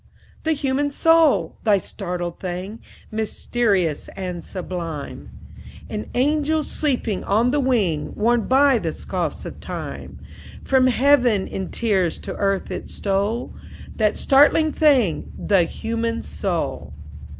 "The human soul! That startling thing, Mysterious and sublime; An angel sleeping on the wing, Worn by the scoffs of time. From heaven in tears to earth it stole That startling thing, the human soul."